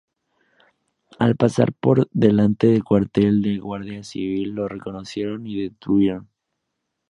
Al pasar por delante del cuartel de la guardia civil lo reconocieron y detuvieron.